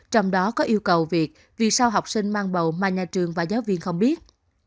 trong đó có yêu cầu việc vì sao học sinh mang bầu mà nhà trường và giáo viên không biết